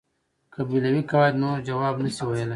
قبیلوي قواعد نور ځواب نشوای ویلای.